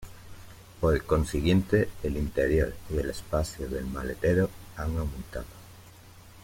Por consiguiente el interior y el espacio del maletero han aumentado.